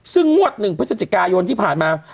ซึ่งงวด๑พฤศจิกายนที่ผ่านมา